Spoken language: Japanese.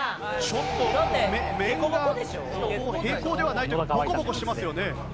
ちょっと面が平行ではないというかボコボコしてますよね。